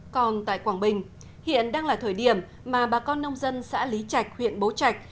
còn tại quảng bình hiện đang là thời điểm mà bà con nông dân xã lý trạch huyện bố trạch